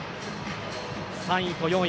３位と４位